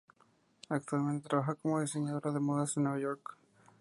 Actualmente trabaja como diseñadora de modas en Nueva York.